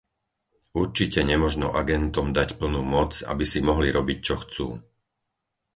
Určite nemožno agentom dať plnú moc, aby si mohli robiť čo chcú.